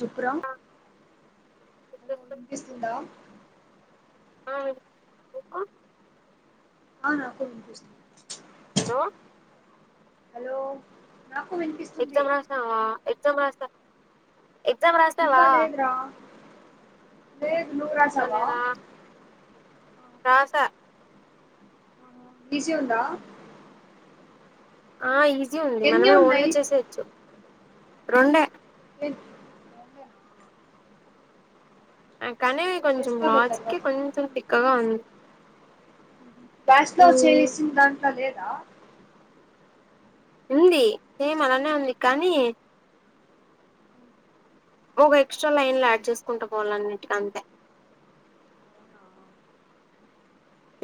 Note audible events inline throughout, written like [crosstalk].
చుక్రం వినిపిస్తుందా ఆ ఆ నాకుకు వినిపిస్తుంది హలో హలో నాకు వినిపిస్తుంది. తిన్నావా ఎత్త మస్త ఎగ్జమ్ ఇంకా రాసినవా లేదురా లేదు నువ్వు రాసావా రాస్తాలేరా రాస ఈజీ ఉందా ఆ ఈజీ ఉంది ఎన్ని మనమే ఓన్గా ఉన్నాయి చేసేయచ్చు రెండే లెన్ ఆ కానీ సరే కొంచం చేస్తాలే లాజికే తర్వాత కొంచెం తిక్కగా ఉంన్ బ్యాస్వ్ చేసిందంతా లేదా ఉంది సేమ్ అలానే ఉంది కానీ ఒక ఎక్స్ట్రా లైన్ యాడ్ చేసుకుంటా పోవాలి అన్నిటికి అంతే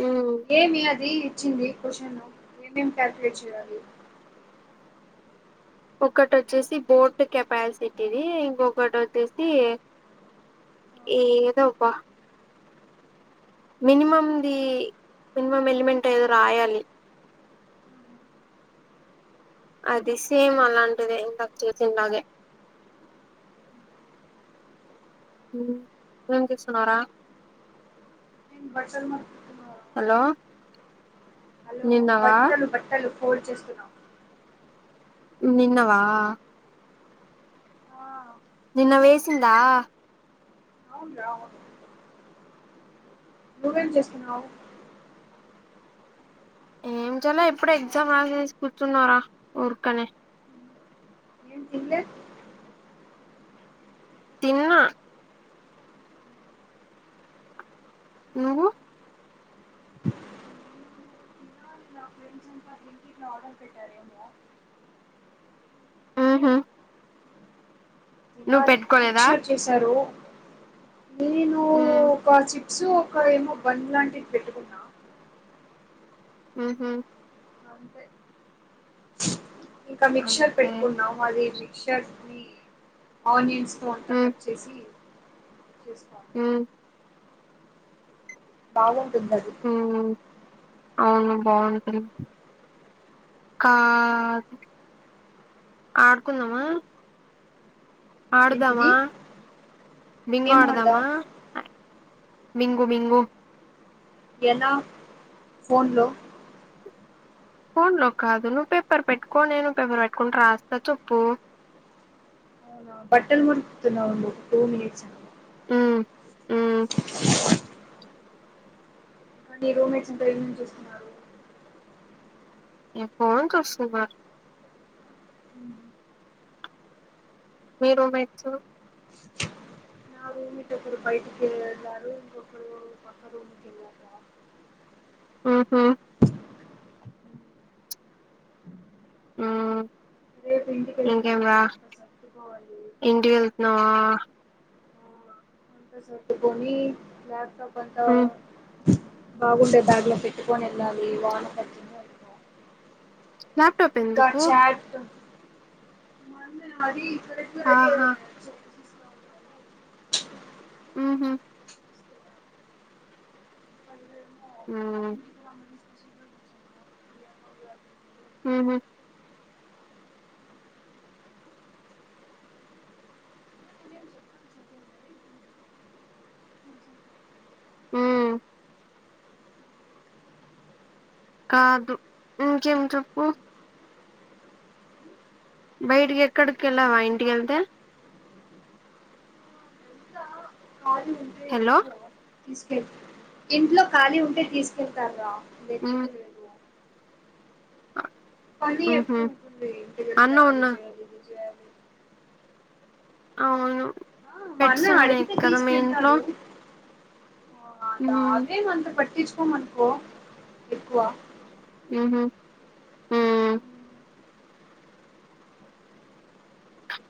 ఉమ్, ఏమి అది ఇచ్చింది క్వశ్చన్ను ఏమేమి క్యాల్కు్యులేట్ చేయాలి ఒకటి వచ్చేసి బోర్డు కెపాసిటీది ఇంకొకటి వచ్చేసి ఏదోబ్బా మినిమంది మినిమం ఎలిమెంట్ ఏదో రాయాలి అది సేమ్ అలాంటిదే ఇందక చేసి లాగే ఉ ఏం చేస్తున్నావ్ రా వర్చుల్ ము హలో హలో నిన్నవా బట్టలు బట్టలు ఫోడ్ చేస్తున్నావు విన్నవా ఆ నిన్న వేసిందా అవురు అవును నువ్వేం చేస్తున్నావు ఏం చేయలే ఇప్పుడ ఎగ్జామ్ రాసేసి కూర్చున్నారా ఊర్కనే ఏం తీనలే తిన్న నువ్వు నార్మల్ పీటర్ రింగ్ లే ఎటాక్ లాలి పెట్టుకోలేదా మిక్చర్ చేశారు నేను ఉమ్ కొన్ని చిప్స్ కొయి బంన్ లాంటివి పెట్టుకున్నా ఉహ ఇంకా మిక్చర్ అంతే పెట్టుకున్నాము అదిమి చెట్ని ఆనియన్స్ తో అంతా ఉమ్ కట్ చేసి చేసుకోను ఉ బాగుంటుంది అది ఉ అవును బాగుంటుంది కా ఆడుకుందామా ఉమ్. ఆడుదామా ఏంటిది? బింగో ఏం ఆడదామా ఆడదాం? బింగో బింగో ఎలా ఫోన్ లో ఫోన్ లో కాదు నువ్వు పేపర్ పెట్టుకో నేను పేపర్ పెట్టుకోని రాస్తా చేప్పు అవునా బట్టల్ మురికుతున్నా ఉండు టూ మినిట్స్ ఆ ఉ మరి రూమేట్స్ ఇంకా ఏమేం చేస్తున్నారు ఏ ఫోన్ చూస్తున్నారు హ్ మీరు రూమేట్స్ నా రూమ్మేట్ ఒకరు బయటికి వెళ్ళారు ఇంకొకరు పక్క రూమ్కెళ్ళారు ఆహా ఉమ్ రేపు ఇంకేం ఇంటికెళ్తున్నా రా అంతా సర్దుకోవాలి ఇంటికేళ్తున్నావా అంత సర్దుకొని ల్యాప్టాప్ అంతా ఉమ్ బాగుండే బ్యాగ్ల పెట్టుకొని వెళ్ళాలి వాన తడిచ్ ల్యాప్టాప్ ఇంకా ఎందుకు చాట్ మరి నాది ఇక్కడే ఆహా ఉహు వాళ్ళేమో ఆ [unintelligible] బిర్యానీ ఆహా నేను చెప్పాను చదివిందని ఆ కాదు ఇంకేం చెప్పు బయటికేక్కడికి ఎల్లవా ఇంటికెళ్తే కాజు హలో తీసుకెళ్త ఇంట్లో ఖాళీ ఉంటే తీసుకెళ్తార్రా ఉమ్ లేకపోతే లేద్ పని ఉహు ఎప్పుడు వుంటుంది అన్న ఇంటికెళ్తే అది ఉన్నా చేయాలి ఇది చేయాలి అవును ఆ మా పెట్స్ అన్న ఉన్నాయి అడిగితే కదా మీ ఇంట్లో తీసుకెళ్తాడు ఆ దా ఉమ్ అదేం అంత పట్టించుకోమనుకో ఎక్కువ ఉహు ఉమ్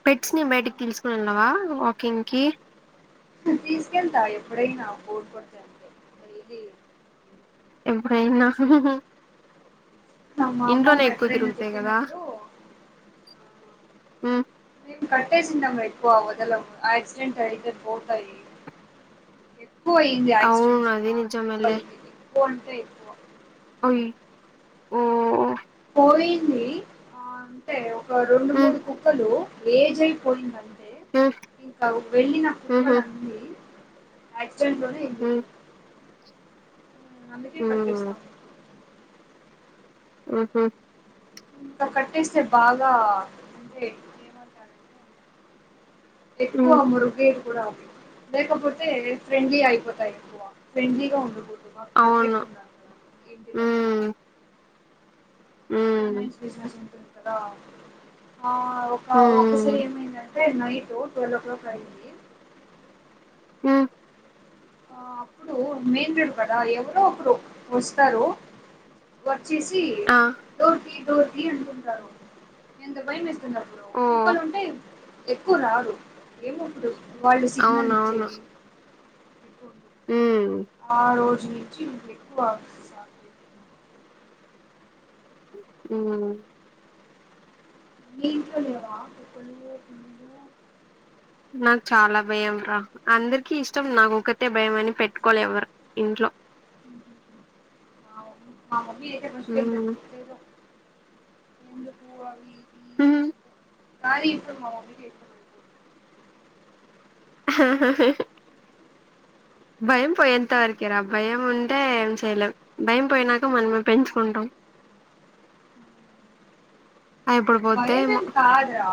పేట్స్ ని బయటికి తీసుకొని ఏళ్లవా వాకింగ్ కి తీసుకెళ్తా ఎప్పుడైనా బోర్ కొడితే అంతే డైలీ ఎప్పుడైనా హుహూ మా ఇంట్లోనే అమ్మమ్మ ఎక్కువ ఎప్పుడైనా తిరుగుతాయి కదా తిట్టినప్పుడు హు మేము కట్టేసిందాం ఎక్కువ వదలము యాక్సిడెంట్ అయితే పోతాయి ఎక్కువ అయ్యంది అవును ఆక్సిడెంట్స్ అది మా నిజమేలే కుక్కలకి ఎక్కువ అంటే ఎక్కువ ఓయి ఓ పోయింది ఆ అంతే ఒక రెండు ఉమ్ మూడు కుక్కలు ఏజ్ అయిపోయిందన్ తే ఉమ్ ఇంకా వెళ్ళిన కుక్కల ఉహు అన్నీ యాక్సిడెంట్ లోనే ఏ ఉమ్ అందుకే ఉమ్ కట్టేస్తాం ఉహు ఇంకా కట్టేస్తే బాగా అంటే ఏమంటారంటే ఎక్కువ ఉమ్ ముర్గే కూడా లేకపోతే ఫ్రెండ్లీ అయిపోతాయి ఎక్కువ ఫ్రెండ్లీగా ఉండకుడ్ మాక్ ప్రోటెకెట్ అవును ఇంగ ఇంటిదాకా ఉమ్ ఉమ్ ఫైనాన్స్ బిజినెస్ ఉంటుంది కదా ఆ ఒక ఒకసారి ఉమ్ ఏమైందే నైట్ టువేలో ఓ క్లాక్ అయి ఉ ఆ అప్పుడూ మెందుడు కదా ఎవరో ఒకరు ఓస్తారు వచ్చేసీ ఆ డోర్ తీయ్ డోర్ తీయ్ అంటుంటారు ఎంత భయం ఏస్తుందప్పుడూ ఓ కుక్కలుంటే ఎక్కువ్ రాదు వాళ్ళు సిగ్నల్ అవునవును ఇచ్చేది ఉంటుంది ఉమ్ ఆ రోజు నుంచి ఎక్కువ ఉ మీ ఇంట్లో లేవా నాకు చాలా భయం రా అందర్కి ఇష్టం నాకొకటే భయం అని పెట్టుకోలే ఎవరు ఇంట్లో అవును మీ అయితే ఎందుకూ అవి ఊ సారి ఇప్పుడు మా మమ్మీ తిడ్తది భయం పోయేంతవరకేరా భయం ఉంటే ఏం చేయలేం భయం పోయినాక మనమే పెంచుకుంటాం అది ఎప్పుడు పోద్దో ఏమో భయంమేం కాద్రా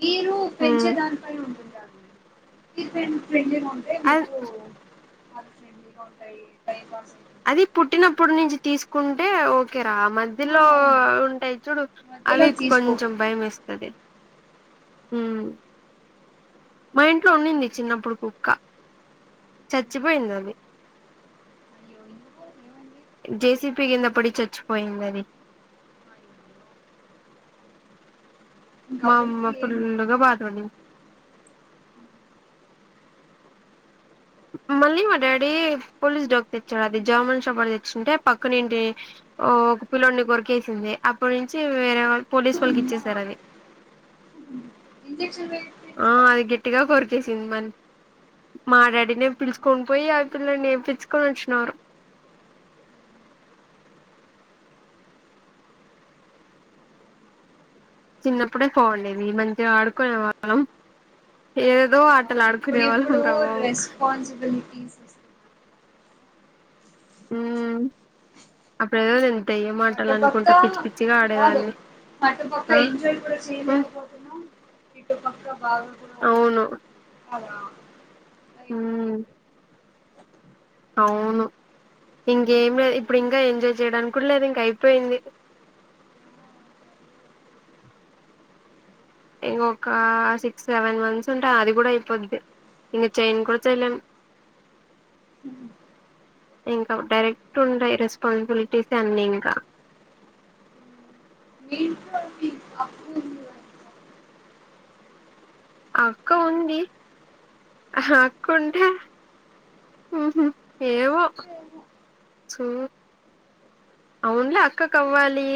మీరు ఉమ్ పెంచేదానికి మీరు పెంచ్ చెంచడాన్కి అ ఆ ఫ్రెండ్లీ గా ఉంటై టైంపాస్ అది పుట్టినప్పుడు నించి తీస్కుంటే ఒకే రా మాద్ ఆ దిలో అవును ఉంటాయి చూడూ మధ్యలో అవి కొంచెం తీసుకోకూడదు భయం ఎస్తది ఉమ్ మా ఇంట్లో ఉండింది చిన్నప్పుడు కుక్క చచ్చిపోయింది అది ఏం లేద్ ఏమండీ జేసిపి యున్నపుడే చచ్చిపోయింది అది ఇంక మామ అప్పటికి ఏమి ఫూల్ గా బాధవానింది మళ్ళీ మా డాడీ పోలీస్ జాబ్ తెచ్చాడు అది జమూల్ షపర్ తెచ్చింటే పక్కనెంటి ఓ ఒక పిల్లొన్నీ కొర్కేసింది అప్పనించీ వేరే వాళ్ళు పోలీస్ వాళ్ళకి ఉన్నా ఇచ్చేసారు అది. ఇంజెక్షన్ ఓ వేయించలే అది గేట్టిగా కొరికేసింది మరి మా డాడీనే పిల్చూకొని పోయి ఆ పిల్లొన్ని ఎపిచ్చుకొని అచ్చిన చిన్నప్పుడే బావుండేది మంచిగా ఆడుకునే వాళ్ళం ఏదేదో ఆటలు ఆడుకునే వాళ్ళం రా బాబు స్పాన్సిబిలిటీస్ ఉమ్మ్ అప్పుడు ఏదో తెంతే మాటాలు అటుపక్క అనుకుంటా పిచ్చి పిచ్చిగా ఆడేదాన్ని ఆ ఇప్పుడు ఉమ్ చేయలేకపోతున్నా ఇటు పక్క బాగా అవును అదా ఉమ్ అవును ఇంకేం లేదు ఇప్పుడు ఇంకా ఎంజాయ్ చేయడానికి కూడా లేదు ఇంక అయిపోయింది. ఒక సిక్స్ సెవెన్ మంత్స్ ఉంటే అది కూడా అయిపోద్ది ఇంకా చేయను కూడా చేయలేం ఇంకా డైరెక్ట్ ఉండయి రెస్పాన్సిబిలిటీస్ అన్ని ఇంకా మీ అప్పు అక్క ఉంది అక్కంటే ఏవో సూ అవునులే అక్కకువ్వాలి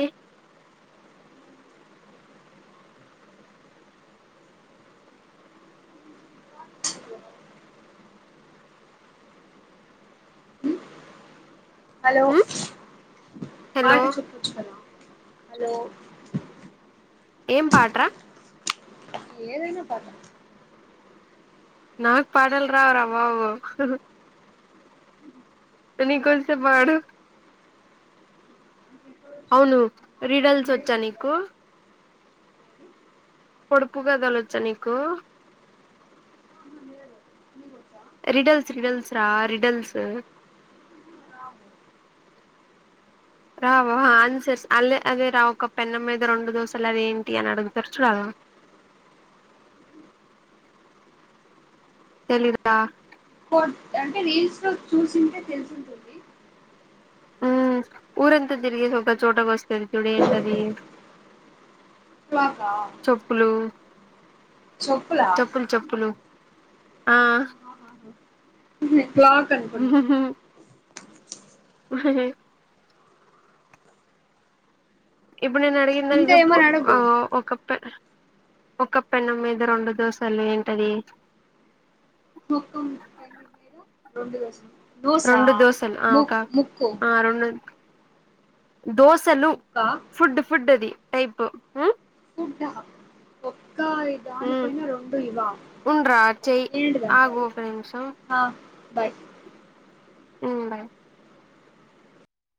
హలో పాట హలో చూప్పుచ్చుకుద హలో. ఏం పాట రా ఏదైనా పా నాకు పాటలు రావు రా బాబు నీ కకోస్తే పాడు అవును రీడల్స్ వచ్చా నీకు పోడుపు కదల వచ్చా నీకు [inaudible] రిడల్స్ రిడల్స్ రా రిడల్స్ ఆన్సర్ అదే రా ఒక పెన్నం మీద రెండు దోశలు అదేంటి అని అడుగుతారు చూడు అలా హా అంటే రీల్స్ లో చూసింటే తెలిసి ఉంటుంది. మ్మ్ ఊరంతా తిరిగి స్వల్ చోటగా వస్తది చుడు ఏంటది గా చెప్పులు చెప్పులా చెప్పులు చెప్పులు ఆ ఇంకా హు హ ఇప్పుడు నిను అడిగిన దానికి ఇంకా జేప్పు ఏమని ఆ అడుగు ఒక ఒక పెన్నం మీద రెండు దోశలు ఏంటది. ఒక పెనం మీద రెండు దోశలు రెండు దోసలు ఆ ఒక ఆ రెండు దోశలు ముక్క ఫుడ్ ఫుడ్ అది టైప్ మ్ము ఫుడ్డా ఒక్క ఇ చాలక మ్మ్ పోయినా రెండు ఇవ్వా ఉండ్రా చెయ్ ఏంటిది అబ్బా ఆగు అది ఒక నిమిషం హా బయ్ హమ్ బై